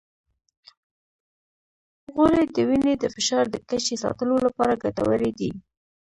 غوړې د وینې د فشار د کچې ساتلو لپاره ګټورې دي.